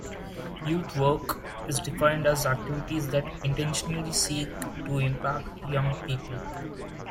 "Youth work" is defined as activities that intentionally seek to impact young people.